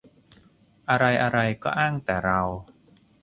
อะไรอะไรก็อ้างแต่เรา